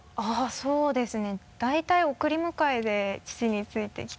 そうですね。